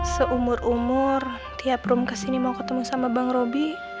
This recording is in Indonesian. seumur umur tiap room kesini mau ketemu sama bang robby